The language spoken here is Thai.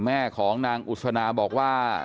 แม่ของนางอุศนาบอกว่า